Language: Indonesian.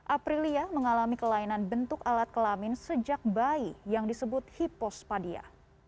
aprilia mengalami kelainan bentuk alat kelamin sejak bayi yang disebut hipospadia